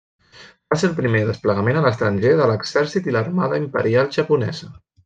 Va ser el primer desplegament a l'estranger de l'Exèrcit i l'Armada Imperial japonesa.